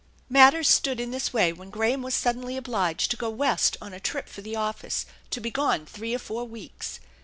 Matters stood in this way when Graham was suddenly obliged to go West on a trip for the office, to be gone three or four weeks.